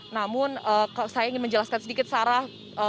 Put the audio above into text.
namun saya ingin menjelaskan sedikit sarah